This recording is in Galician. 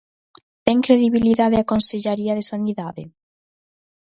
Ten credibilidade a consellaría de sanidade?